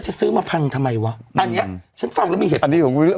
จะซื้อมาพังทำไมเหวะ